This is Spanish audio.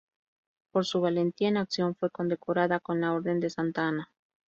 Por su valentía en acción fue condecorado con la Orden de Santa Ana.